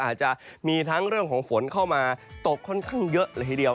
อาจจะมีทั้งเรื่องของฝนเข้ามาตกค่อนข้างเยอะเลยทีเดียว